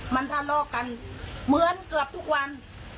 มันทะเลาะกันเหมือนเกือบทุกวัน